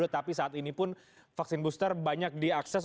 tapi saat ini pun vaksin booster banyak diakses